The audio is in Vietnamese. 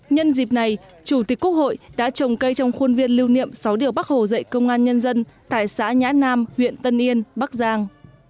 nhân dịp này chủ tịch quốc hội đã trồng cây trong khuôn viên lưu niệm sáu điều bắc hồ dạy công an nhân dân tại xã nhã nam huyện tân yên bắc giang